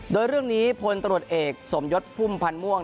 โดยเรื่องนี้พลตรวจเอกสมยศพุ่มพันธ์ม่วง